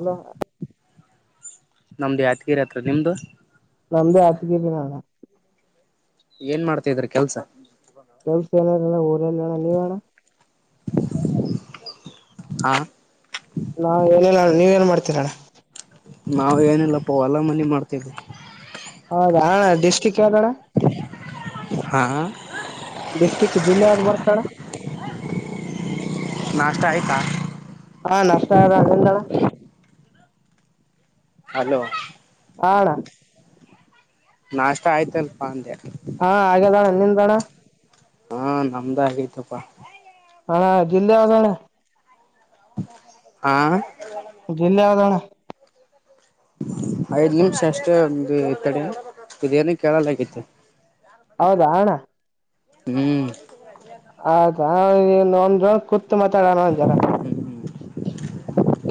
Hello ನಮ್ದು ಯಾದಗಿರಿ ಹತ್ರ ನಿಮ್ದು ನಮ್ದು ಯಾದಗಿರಿ ಅಣ್ಣ ಏನ್ ಮಾಡ್ತಾದ್ರ ಕೆಲ್ಸ ಕೆಲ್ಸ ಏನಲ್ಲ ಊರಲ್ಲಣ ನೀವು ಅಣ್ಣ [unintelligible] ಹಾ ನಾ ಏನಿಲ್ಲ ಅಣ್ಣ ನೀವ ಏನ್ ಮಾಡ್ತೀರಣ್ಣ ನಾವ ಏನಿಲ್ಲಪ್ಪ ವಲ ಮನೆ ಮಾಡ್ತೇವಿ ಹೌದ ಅಣ್ಣ ಡಿಸ್ಟ್ರಿಕ್ ಯಾವುದಣ್ಣ ಹಾ ಡಿಸ್ಟ್ರಿಕ್ ಜಿಲ್ಲಾ ಬರುತ್ತಣ್ಣ ನಾಷ್ಟ ಆಯ್ತಾ ಅಣ್ಣ ನಾಷ್ಟ ಆಯದ ನಿಂದ ಅಣ್ಣ ಹಲೋ ಆ ಅಣ್ಣ ನಾಷ್ಟ ಆಯ್ತು ಏನಪ್ಪಾ ಅಂದೆ ಆ ಆಗ್ಯಾದ ಅಣ ನಿಂದಣ್ಣ ಹಾ ನಮ್ದ ಆಗೈತಪ್ಪಾ ಅಣ್ಣ ಜಿಲ್ಲೆ ಯಾವ್ದಣ್ಣ ಹಾ ಜಿಲ್ಲೆ ಯಾವುದು ಅಣ್ಣ ಐದ್ ನಿಮಿಷ ಅಷ್ಟೇ ತಡಿ ಇದೇನ ಕೇಳ ಲ್ಲಾಗೈತಿ ಹೌದಾ ಅಣ್ಣ ಹ್ಮ್ ಅದಾ ಅಣ್ಣ ನೀನು ಕೂತು ಮಾತಾಡೋಣ ಒಂದ್ ಜರ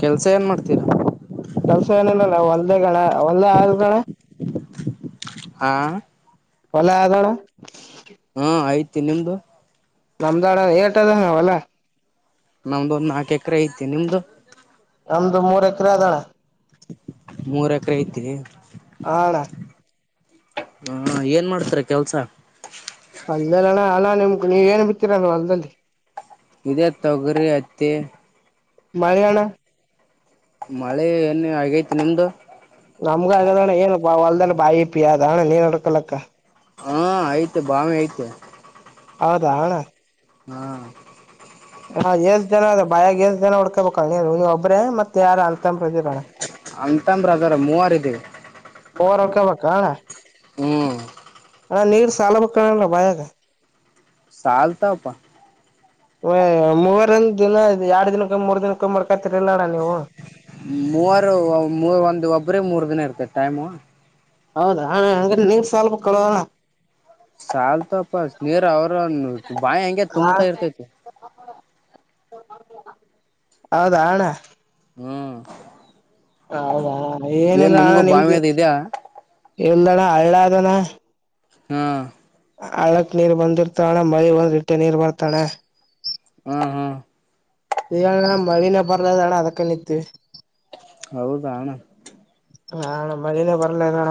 ಕೆಲ್ಸ ಏನ್ ಮಾಡ್ತೀರಾ ಕೆಲ್ಸ ಏನಿಲ್ಲಲ್ಲ ವಲದಾಗಣ್ಣ ಆಲ್ ಅಣ ಹಾ ಯಾದಣ ಹಾ ಐತಿ ನಿಮ್ದು ನಂದ ಅಣ್ಣ ಏರ್ಟೆಲ್ ಅಣ್ಣ ನಾವೆಲ್ಲ ನಮ್ದ ಒಂದ್ ನಾಲ್ಕು ಎಕರೆ ಐತಿ ನಿಮ್ದು ನಮ್ದು ಮೂರ್ ಎಕರೆ ಅದಣ ಮೂರ ಎಕರೆ ಐತಿರಿ ಹಾ ಅಣ್ಣ ಹಾ ಏನ್ ಮಾಡ್ತಾರ ಕೆಲ್ಸ ಅಲ್ಲದೆಲ್ಲಣ್ಣ ಅಲ್ಲ ನಿಮ ನೀವ ಏನ್ ಬಿತ್ತಿರಿ ಹೊಲದಲ್ಲಿ ಇದೇ ತೊಗರಿ ಅತ್ತೆ ಮಳೆಯಣ ಮಳೆ ಏನ್ ಆಗೈತಿ ನಿಮ್ದು ನಮ್ಗ ಆಗಣ್ಣ ಏನ್ ಹೊಲದಲ್ಲಿ ಬಾಯಿ ಪಿ ಅದ ಅಣ್ಣ ನೀರ್ ಹೊಡ್ಕೊಳಕ ಹಾ ಐ್ತ ಭಾವಿ ಐತೆ ಹೌದಾ ಅಣ ಹ್ಮ ಹಾ ಎಷ್ಟ್ ಜನ ಅ ಬಾಯಾಗ ಎಷ್ಟ್ ಜನ ಉಡ್ಕೋಬೇಕು ನೀವು ಒಬ್ಬರೇ ಮತ್ತೆ ಯಾರ ಅಣ್ಣ ತಮ್ಮಂದಿರ ಇದಿರಣ ಅಣ್ಣತಮ್ಮ ಅದರ ಮೂವರ್ ಇದೀವಿ ಮೂವರು ಆಗಬೇಕಾ ಅಣ್ಣ ಹ್ಮ ಹಾ ನೀರ್ ಸಾಲ ಬೇಕ್ ಅಲ್ವಣ ಬಾಯಾಗ ಸಾಲತಪ್ಪಾ ಮೂವರಂದ ದಿನ ಎರಡ್ ದಿನಕ್ಕೆ ಮೂರ್ ದಿನಕ್ಕ ಮರ್ಕತಿರಿಲ್ಲೋಡಣ ನೀವು ಮೂವರು ಮೂ ಒಂದ್ ಒಬ್ರೆ ಮೂರ್ ದಿನ ಇರ್ತ ಟೈಮು. ಹೌದಾ ಹ ಹ ನಿನಗೆ ಸಾಲ್ಬೇಕ್ ಅಣ್ಣ ಸಲ್ತಪ್ಪ ನೀರ್ ಅವ್ರ ಬಾಯಿ ಹೆಂಗೆ ತುಂಬತಾ ಇರ್ತೈತಿ. ಹೌದ ಅಣ್ಣ ಹ್ಮ್ ಹೌದಾ ಏನ್ ಏನೆಲ್ಲಿ ಅಣ್ಣ ನಿಮ್ಗೂ ನಿಮ್ದ ಬಾವಿ ಅದ ಇದ್ಯಾ ಎಲ್ಲ ಅಣ್ಣ ಹಳ್ಳ ಅದಣ ಹಾ ಹಳಕ್ ನೀರ್ ಬಂದಿರ್ತವಣ್ಣ ಮಳೆ ಹೊಯ್ದಿರುತ್ತೆ ನೀರ್ ಬರ್ತಾವ ಅಣ್ಣ. ಹಹ ಏ ಅಣ್ಣ ಮಳಿನೇ ಬರ್ಲದಣ ಅದಕ್ಕ ನಿಂತ್ವಿ. ಹೌದ ಅಣ್ಣ ಹ್ ಅಣ್ಣ ಮಳಿನೆ ಬರಲಾಗದಣ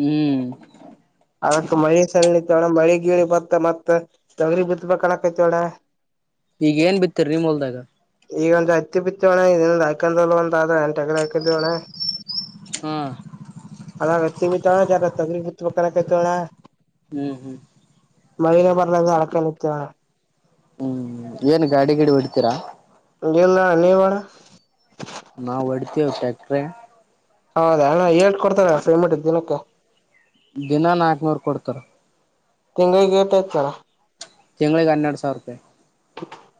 ಹ್ಮ್ ಅದಕ್ಕ ಮಳಿ ಸಣ್ಣತ್ವ ಅಣ್ಣ‌ ಮಳಿ ಗೀಳಿ ಬತ್ತ ಮತ್ ತೊಗ್ರಿ ಬಿತ್ಬೇಕ್ ಅನ್ನಕತ್ತೀವಿ ಅಣ್ಣ. ಈಗ ಏನ್ ಬಿತ್ತಿರಿ ನಿಮ್ಮ್ ಹೊಲ್ದಾಗ ಈಗ ಒಂದು ಹತ್ತಿ ಬಿತ್ತಿವಿ ಅಣ್ಣ ಒಂದ ಹೊಲ ಎಂಟು ಎಕರೆ ಹಾಕೊಂದಿವಿ ಅಣ್ಣ. ಹಾ ಅರ್ಧ ಹತ್ತಿ ಬಿತ್ತಿವಿ ಜರ ತೊಗರಿ ಬಿತ್ತಬೇಕು ಅನ್ನಕತ್ತೀವಿ ಅಣ್ಣ ಹ್ಮ್ ಹ್ಮ್ ಮಳಿನೇ ಬರಲ್ಲಗ್ಯದ ಅದಕ ನಿಂತೀವಿ ಕಣ್ಣ ಹ್ಮ್ ಏನ್ ಗಾಡಿ ಗಿಡಿ ಹೊಡ್ತೀರಾ? ಇಲ್ಲಾ ನೀವ್ ಅಣ್ಣ ನಾವು ಹೊಡಿತಿವಿ ಟ್ಯಾಕ್ಟ್ರಿ ಹೌದ ಅಣ್ಣ ಏಟು ಕೊಡ್ತಾರೆ ಪೇಮೆಂಟ್ ದಿನಕ್ಕೆ. ದಿನ ನಾಲ್ಕು ನೂರು ಕೊಡ್ತಾರ. ತಿಂಗಳಿಗ್ ಏಟ್ ಆಯಿತು ಅಣ್ಣ್ ತಿಂಗಳಿಗೆ ಹನ್ನೆರಡು ಸಾವಿರ ರೂಪಾಯಿ.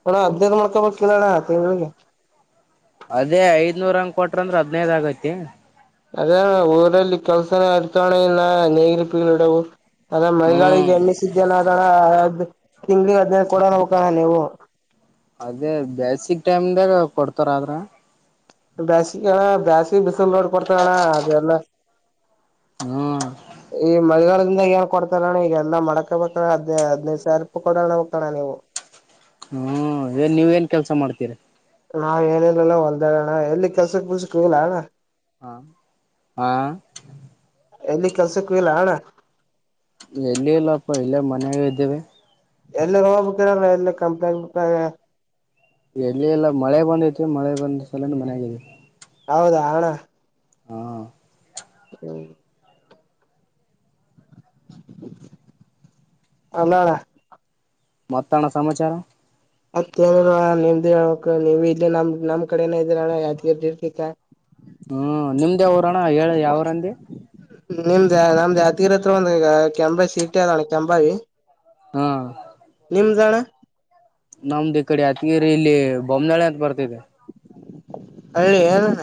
ಅಣ್ಣ ಹದಿನೈದು ಮಾಡಕೊಬೇಕ್ಲಿಲ್ವ ಅಣ್ಣ ತಿಂಗಳಿಗಿ ಅದೇ ಐದನೂರ್ ಹಂಗ್ ಕೊಟ್ರ ಅಂದ್ರೆ ಹದಿನೈದು ಆಗೂತೆ ಅದೆ ಅಣ್ಣ ಊರಲ್ಲಿ ಕೆಲ್ಸನ ಅಡಚಣೆ ಇಲ್ಲ ನೀರು ಪೀರು ಈಡವು ಅದ ಹ್ಮ್ ಮಳಿಗಳಿಗೆ ಎಣ್ಣಿ ಸೀಜನ್ ಅದ ಅಣ್ಣ ಅದ್ ತಿಂಗಳಿಗೆ ಹದಿನೈದು ಕೊಡು ಅನ್ನಬೇಕು ಅಣ್ಣ ನೀವು. ಅದೇ ಬೇಸಿಕ್ ಟೈಮದಾಗ ಕೊಡ್ತಾರ ಆದ್ರೆ ಬ್ಯಾಸಗಿ ಅಣ್ಣ ಬ್ಯಾಸಗಿ ಬಿಸಲ್ ನೋಡ್ ಕೊಡ್ತಾರಾ ಅಣ್ಣ ಅದೆಲ್ಲ. ಹ್ಮ್ ಈ ಮಳಗಾಲ್ ಹೇಳ್ ಕೊಡ್ತಾರನ್ನ ಹೀಗ್ ಎಲ್ಲಾ ಮಾಡ್ಕೊಬೇಕಲ್ಲ ಹದಿನೈದು ಸಾವಿರ ರೂಪಾಯಿ ಕೊಡಲ್ಲ ಅಣ್ಣ ನೀವು ಹ್ಮ್ ಏನ್ ನೀವ್ ಏನ್ ಕೆಲ್ಸ ಮಾಡ್ತೀರಿ ನಾವ್ ಏನಿಲ್ಲ ಅಣ್ಣ ಹೊಲ್ದಾಗ ಅಣ್ಣ ಎಲ್ಲಿ ಕೆಲ್ಸಕ್ ಫಿಲ್ಸಕ್ ಹೋಗಲ್ಲ ಹಾ ಹಾ ಎಲ್ಲಿ ಕೆಲ್ಸಕ್ಕ ಹೊಹಿಲ್ಲ ಅಣ್ಣ ಎಲ್ಲಿ ಇಲ್ಲಪ್ಪ ಇಲ್ಲೇ ಮನ್ಯಾಗ ಇದೀವಿ. ಎಲ್ಲ್ ಹೋಗ್ಬೇಕ್ ಹೇಳ್ ಅಣ್ಣ ಎಲ್ಲಿ ಕಂಪನ್ಯಾಗ. [unintelligible] ಎಲ್ಲಿ ಇಲ್ಲ ಮಳೆ ಬಂದಿತ್ತು ಮಳೆ ಬಂದ ಸಲೆಂದ್ ಮನ್ಯಾಗಿದಿನಿ ಹೌದಾ ಅಣ್ಣ ಹ್ಮ [unintelligible] ಹಲೋ ಅಣ್ಣ ಮತ್ತ ಅಣ್ಣ ಸಮಾಚಾರ ಮತ್ತೇನಿಲ್ಲ ನಿಮ್ದ್ ಹೇಳಬೇಕು ನೀವ್ ಇಲ್ಲೆ ನಮ್ ನಮ್ ಕಡೆನೆ ಅದಿರನ್ನ ಯಾದಗಿರಿ ಡಿಸ್ಟಿಕ. ಹ ನಿಮ್ದು ಯಾವು ಊರು ಅಣ್ಣ ಹೇಳು ಯಾವು ಊರು ಅಂದಿ ನಮ್ದು ಯಾದಗಿರಿ ಅತ್ರ ಒಂದು ಕೆಂಬಾಯಿ ಸಿಟಿ ಅದ ಅಣ್ಣ ಕೆಂಬಾಯಿ ಹ ನಿಮ್ದನ್ನ ನಮ್ದು ಈ ಕಡೆ ಯಾತಗಿರಿ ಇಲ್ಲಿ ಬೊಮ್ಮನಹಳ್ಳಿ ಅಂತ ಬರ್ತಿದೆ ಹಳ್ಳಿ ಎನ್ ಅಣ್ಣ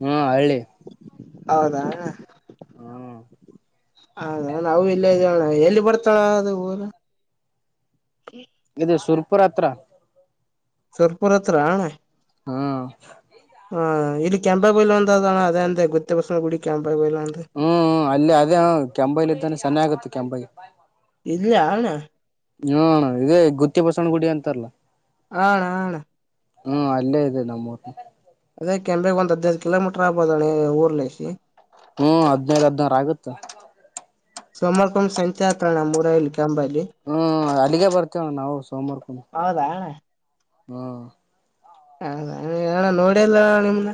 ಹ್ಮ ಹಳ್ಳಿ ಹೌದಾ ಅಣ್ಣ ಹ್ಮ್ ಹೌದ ಅಣ್ಣ ಇದು ಸುರಪುರ ಅತ್ರ ಸುರಪುರ ಅತ್ರ ಆ ಅಣ್ಣ ಹ್ಮ ಹಾ ಇಲ್ಲಿ ಕೆಂಬಾಯಿ ಬಲ್ಲಿ ಒಂದು ಅದ ಅಣ್ಣ ಅದೇ ಅಂದ್ಯ ಗುತ್ತಿ ಬಸವಣ್ಣ ನಾ ಗುಡಿ ಕೆಂಪ ಬೈಲು ಅಂದ ಹೂ ಹೂ ಅಲ್ಲಿ ಅದೇ ಕೆಂಭಾವಿ ಲಿತ್ತಾನೆ ಸನೆ ಆಗುತ್ತಾ ಕೆಂಭಾವಿ ಇಲ್ಲ್ಯಾ ಅಣ್ಣ ಹ್ಮ ಇದೇ ಗುತ್ತಿ ಪಸಣ ಗುಡಿ ಅಂತಾರಲ್ಲ ಹಾ ಅಣ್ಣ ಹಾ ಅಣ್ಣ ಹ್ಮ್ ಅಲ್ಲೇ ಇದೆ ನಮ್ಮೂರಿ ಅದೇ ಕೆಂಪೆಗೆಗ ಒಂದ್ ಹದ್ೈದ್ ಕಿಲೋಮೀಟರ್ ಆಬೋದಣೆ ಊರ್ಲಸಿ ಹ್ಮ್ ಹದ್ನೈದ ಹದ್ನಾರ ಆಗುತ್ತ ಸಮರ್ಪಂ ಸಂಚಾತ್ರಣ ಮರೈಲ್ ಚಂಬಲ್ಲಿಿ ಹ್ಮ್ ಅಲ್ಲಿಗೆ ಬರ್ತೇವಣ ಹೌದಣ ಹ್ಮ ಹಣ ನೋಡಲ್ಲ ನಿಮ್ದ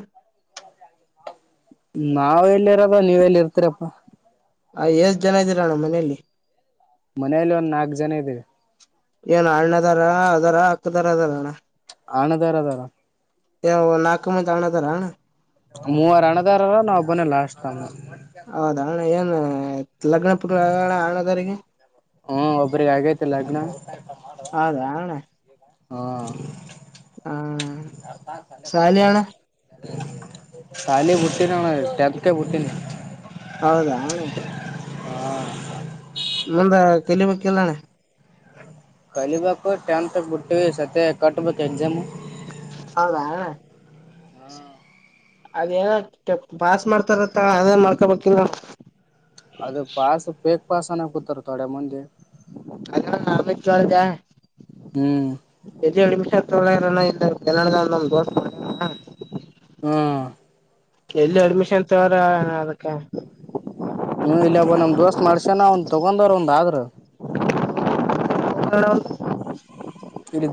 ನಾವ ಎಲ್ಲಿ ಇರದ ನೀವ ಎಲ್ಲಿ ಇರ್ತೀರಪ್ಪಾ ಆ ಎಷ್ಟ್ ಜನ ಇದ್ದೀರಣ್ಣ ಮನಲಿ ಮನೇಲಿ ಒಂದ್ ನಾಕ್ ಜನ ಇದವೆ ಏನ ಅಣ್ಣದಾರ ಅದಾರ ಅಕ್ಕದಾರ ಅದಾರ ಅಣ್ ಆನದರ ತರ ಏ ನಾಲ್ಕು ಮಂದಿ ಅಣದಾರ ಅಣ್ಣ ಮೂವರ್ ಹಣದಾರರ ನಾವಬನೆ ಲಾಸ್ಟ್ ತಂಗ ಹೌದ ಹಣ್ಣ ಏನ್ ಲಗ್ನ ಪಣ ಹಣದಾರಿಗೆ ಹ್ಮ ಒಬ್ರಿಗೆ ಆಗೈತಿಲ್ಲ ಲಗ್ನ ಹೌದಾ ಅಣ್ಣ ಹ ಹಾ ಸರ್ತಾಲ ಕುಡ ಶಾಲಿ ಅಣ್ಣ ತಾಲಿ ಬುಟ್ಟಿನ ಟಂ ಬುಟ್ಟಿನ ಹೌದಾ ಹಾ ಮುಂದ ಕಲಿಬೇಕ ಎಲ್ಲಣ ಕಲಿಬೇಕು ಟೆಂತ್ ಬಿಟ್ಟೀವಿ ಸತ್ಯ ಕಟ್ಬೇಕು ಎಕ್ಸಾಮ್ ಹೌದಾ ಅದೇನ ಕೆ ಪಾಸ್ ಮಾಡ್ತಾರತ್ತ ಅದೇನ್ ಮಾಡ್ಕೊಬೇಕಿಲ್ಲ ಅದು ಪಸ್ ಬೇಕ್ ಪಸ್ನ ಕುೂತಾರ ತೋಡೆ ಮಂದಿ ಅ ನಾಮ ಚಳಜಾ ಹ್ಮ್ ಎ ಎಡಿಮಿಷಳ ನಮ ದೋಸ ಮಾಡ ಹಾ ಎಲ್ಲಿ ಅಡ್ಮಿಷನ್ ತವರಏ ಅದಕ್ಕೆ ಹ್ಮ ಇಲ್ಲಬ್ಬ ನಮ್ ದೋಸ್ತ್ ಮಾಡ್ಸ್ಯನ ಒಂದ್ ತೊಗೊಂಡವ್ರ ಒಂದ್ ಆದ್ರರು ಹರದ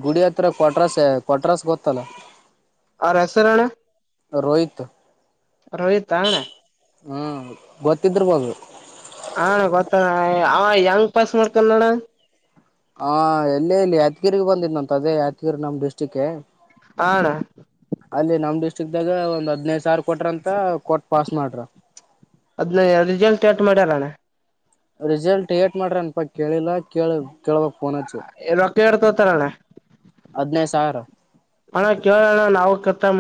ಗುಡಿ ಹತ್ರ ಕೊಟ್ರಾಸ್ ಕೊಟ್ರಾಸ್ ಗೊತ್ತಲ್ಲ ಯ ಸೆ ರಣ ರೋಹಿತ ರೋಹಿಿತಣ್ಣ ಹ್ಮ್ ಬತ್ತ ಹಣ ಗೊತ್ತ ಅವ ಯಂಗ್ ಪಾಸ್ ಮಾಡ್ಕಲ್ ನಣ ಹಾ ಎಲ್ಲೇ ಇಲ್ಲಿ ಯಾದಗಿಗ ಬಂದಿದ್ಂತ ಅದೇ ಯತ್ಗಿರಿ ನಮ್ ಡಿಸ್ಟ್ರಿಕ್ಗೆ ಅಣ್ಣ ಅಲ್ಲಿ ನಮ್ ಡಿಸ್ಟ್ರಿಕ್ ದಾಗ ಒಂದ್ ಹದ್ಿನೈದು ಸಾವರ ಕೊಟ್ರಂತ ಕೋರ್ಟ್ ಪಾಸ್ ಮಾಡ್ರ ಅದ್ನ ರಿಸಲ್ಟ್ ಎಟ್ ಮಾಡ್ಯಾರಣ್ಣ ರಿಸಲ್ಟ್ ಏಟ್ ಮಾಡ್ರಿ ಅನ್ಪಾ ಕೇಳಿಲ್ಲಾ ಕೇಳ ಕೇಳಳ್ಬಕ್ ಇದೊಕ್ಕೆ ಎಡ್ತತರ್ಣ ಹದ್ನೈದು ಸಾವಿರ ಅಣ ಕವಣ ನಾವಕಕತಾಮ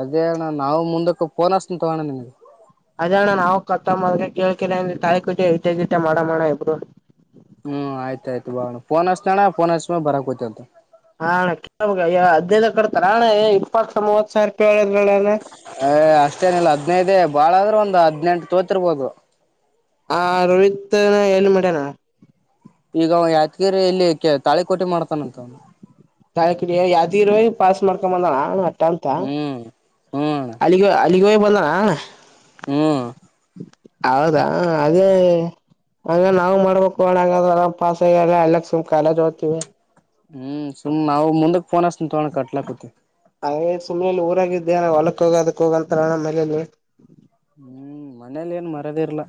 ಅದೇ ಅಣ್ಣ ನಾವು ಮುಂದಕ್ಕೆ ಪೋನ್ ಹಸ್ತ ತಗೋಣ್ಣ ನಿಮಗೆ ಅದಣ್ಣ ನಾವು ಕತ್ತ ಕೇಳ್ಕ ತಾಯಿ ಕೂಜ ಇತ್ಯದತೆ ಮಾಡ ಮಾಡಣ ಇಬ್ರು ಹ್ಮ್ ಆಯ್ತಾಯ್ು ಬಳಣ ೋ ಹಸತಣ ಫೋನ್ ಹಸ್ಮ ಬರಕ್ೋತವಂತ ಹಣ ಕೆ ಅದ್ದದ ಕಡ್ತಾರಣ ಇಪ್ಪತ್ತು ಮೂವತ್ ಸಾವಿರ ರೂಪಾಯಿ ಹೇಳಿದ್ರಣ್ಣ ಏ ಅಷ್ಟೇನಿಲ್ಲ ಹದ್ನೈದೇ ಬಾಳ ಆದ್ರೂ ಒಂದ್ ಹದ್ನೆಂಟು ತೋತಿರ್ಬೋದು ಹಾ ರೋಹಿತ ಎಲ್ಲಿ ಮ ನ ಈಗ ಯಾದಗಿರಿ ಇಲ್ಲಿ ತಾಳಿ ಕೋಟೆ ಮಾಡ್ತಾನಂತ ಅವನು ತಾಯಕಡ ಯ್ದಿ ಇರುವ ಪಾಸ್ ಮಾಡ್ಕೊಂಬ ಬಂದಳ ನ ಅಂತ ಹ್ಮ್ ಹ್ಮ್ ಅಣ್ಣ ಅಲ್ಲಿಗೆ ಅಲ್ಲಿಗೆ ಹೋಗಿ ಬಂದಾನಣ ಹ್ಮ್ ಹೌದಾ ಅದೇ ಹಂಗ ನಾ್ ಮಾಡ್ಬೇಕುಣಂಗ ಪಾಸ್ ಆಗಲ್ಲ ಎಲ್ಲಕ್ ಸುಮ್ ಕಾಲೇ್ ಓದ್ತಿೀವಿ ಹ್ಮ್ ಸುಮ್ ನಾವು ಮುಂದಕ್ಫೋನ್ ಅಸ್ತ ತೊಳ ಕಟ್ಲಾಕತಿ ಹಾಗೇ ಸುಮ್ಮ್ನೆಲಿ ಊರಾಗಿದ್ದೆನ ಹೊಲಕ್ಕ ಹೋಗ ಅದಕ್ ಹೋಗಂತಾರಣ ಮನಲಿ ಹ್ಮ್ ಮನೇಲಿ ಏನ್ ಮರದ ಇರ್ಲ್ಲ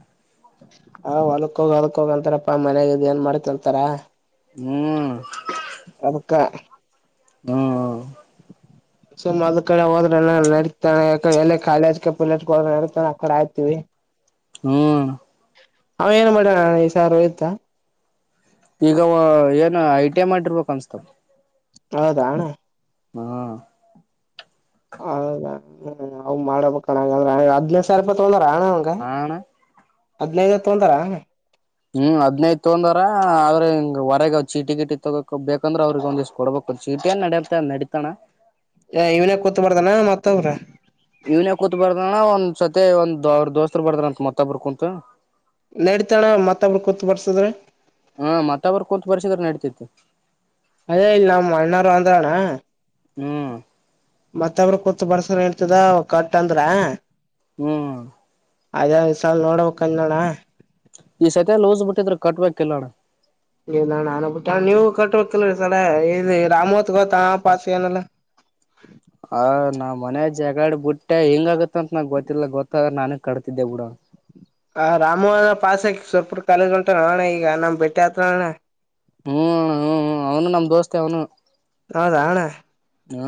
ಹ ಹೊಲಕ್ ಹೋಗ ಹೊಲಕ್ ಹೋಗಂತಾರಪ್ಪಾ ಮನ್ಾಗ ಏನ್ ಮಾಡ್ತಿ ಅಂತಾರ ಹ್ಮ್ ಅಕ್ಕ ಹ್ಮ ಸುಮ್ಮ್ದ್ ಕಡೆ ಹೋದ್ರೆ ನಡತಾನೆಡೆ ಎ ಕಾಲೇಜ್ ಪಟ್ ಹೋದ್ರ ನಡತಾನೆ ಆ ಕಡೆ ಆಯ್ತೀವಿ ಹ್ಮ್ ಅವ ಏನ್ ಮಾಡಣ ಈ ಸಾರ ಹೋಯ್ತಾ ಈಗ ಏನು ಐ ಟಿ ಐ ಮಾಡಿರ್ಬೇಕ ಅನ್ಸ್ತವ ಹೌದಣ ಹ್ಮ ಹೌದ ಅವ್ ಮಾಡಬೇಕ ಕಣ ಹದ್ನೇ ಸರತ್ ಪ್ರಾಣ ಹಂಗ ಹಾ ಅಣ್ಣ ಹದ್ಿನೈದು ಹ ತೊಂತಾರ ಹ್ಮ್ ಅವ್ ಚೀಟಿ ಗಟ ತಗೋಕ್ ಬೇಕಂದ್ರ ಅವ್ರಗ್ ಒಂದ ದಿವ್ ಕೊಬೇಕು ಚೀಟಿಯನ್ ನಡಿಯತೆ ನಡೀತಾ ಇವ್ನ ಕೂತ್ಬಾರ್ದಾನ ಮತ್ತ ಅವ್ರ ಇವ್ನ ಕೂತ್ ಬಾರ್ದಣ್ಣ ಒಂದ್ ಸತಿ ಒಂದ್ ಅವ್ರ ದೋಸ್ತರು ಬರ್ದ ಅಂತತ್ ಮತ್ತಬ್ಬರ್ ಕುಂತು ನಡತಣ ಮತ್ತೊಬ್ರು ಕೂತ್ ಬರ್ಸದ್ರ ಇತ್ತು ಅದೇ ಇಲ್ಲ ನಮ್ಮ ಅಣ್ಣಾರ ಅಂದ್ರಣ ಹ್ಮ್ ಮತ್ತಬ್್ರ ಮ ಬರ್ಸಾರ ಹೇಳ್ತದ ಕಟ್ ಅಂದ್ರ ಹ್ಮ್ ಅದೇ ಸಲ್ ನೋಡಬೇಕಂದ ನೋಣ ಈ ಸತಿ ಲೋಸ್ ಬಿಟ್ಟಿದ್ರೆ ಕಟ್ ಬ್ಯಾಕ್ ಇಲ್ಲಣ್ಣ ಣಟ್ಟ ನೀವವು ಕಟ್ಟ ಹೋಗ್ತಲ್ೀ ಸಡ ರಾಮೋತ್ ಗೊತಾ ಪಾಸ ಏನಲ್ಲಾ ಹ ನಾ್ ಮನ ಜಗಾಡ್ ಬಿಟ್ಟೆ ಹೆಂಗಗತ್ತ ಅಂತ ನಂಗ ಗೊತ್ತಿಲ್ಲ ಗೊತ್ತಾಗ ನಾನು ಕಡತಿದ್ದೆ ಬಿುಡ ಆ ರಾಮೋಹನ ಪಾಸ್ ಹಾಕಿ ಸ್ವಲ್ಪುಟ್ಟ ಕಾಲೇಜ್ ಉಂಟ ನೋಣ ಈಗ ನಮ್ ಬೆಟ್ಟೆ ಹತ್ರಣ್ಣ ಹ್ಮ್ ಹ್ಮ ಅವನು ನಮ್ ದೋಸ್ತೆ ಅವನು ನಾದಣ ಹಾ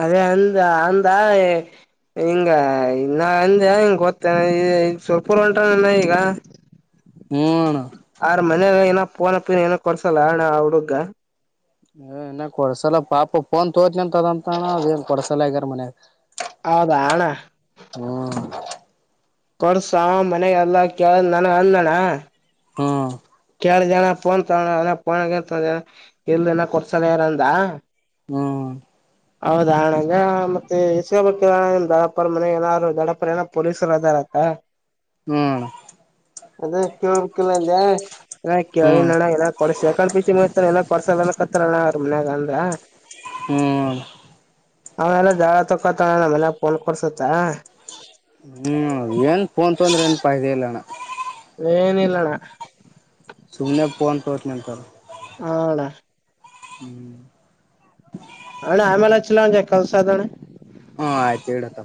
ಅದೇ ಅಂದ ಅಂದ ಹಿಂಗ ಇನ್ನಾ ಅಂದ ಹಿಂಗ ಗೊತ್ತೇನೆ ಈ ಸ್ವಲ್ಪೂರ್ ಹೊಂಟ್ರ ಈಗ ಹ್ಮ ಅಣ್ಣ ಮನೇಲ್ಲ ಏನ ಪೋನಪ್ಪ ಏನ ಕೊಡ್ಸಲ್ಲಣ ಹುಡುಗ್ಗ ಏ ಇ ಕೊಡ್ಸಲ ಪಾಪು ಫೋನ್ ತೋತ್ನಂತದಂತಾನ ಅದ ನ್ ಕೊಡ್ಸಲ ಆಗಾರ ಮನ್ಯಾಗ ಹೌದಣ ಹ್ಮ್ ಕೊರ್ಸ ಮನೆಗೆ ಎಲ್ಲ ಕೇಳ ನನ ಅಂದಣ್ಣ ಹ್ಮ ಎ ಜನ ಫೋನ್ ತಗೊಂಡ ಎಲ್ಲನ ಕೊಡ್ಸಣ ಯಾರಂದ ಹ್ಮ ಹೌದ ಹಣಗ ಮತ್ತೆ ಇಸ್ಕೋಬ್ ದಡಪ್ಪರ ಮನೆ ನಾದಾರರು ದಡಪ್ಪರ ಏನ ಪೊಲೀಸರು ಅದಾರ ಹ್ಮ್ ಸಿಕ್ಕಲ ಹ ಕೇಳಿ ಹ್ಮ್ ನಣ್ಣ ಏ ಕೊಕಂಡ್ ಪಿಚಿ ಮುತ ನಕ್ ಕೊಡ್ಸ ಕತ್ತಾರಣ ಅವ್ರ ಮನ್ಯಾಗ ಅಂದ್ರ ಹ್ಮ್ ಆಮೇಲ್ಲ ಜಾಳ ತಕತ ಮಲೆ ಫೋನ್ ಕೊಡ್ಸುತ್ತ ಹ್ಮ್ ಏನ್ ಫೋನ್ ತೊಂದ್ರೆ ಏನಪದೆ ಇಲ್ಲಣ ಏನ ಇಲ್ಲಣ್ಣ ಸುಮನೆ ಪೋನ್ ಪಚ್ ನಂತ ಹಳಾ ಹ್ಮ್ ಅ ಆಮೇಲೆ ಚಿಲ್ಲಜ ಕಲ್ ಸಾಧಣ ಹಾ ಆಯ್ತು ಹೇಳತ್ತ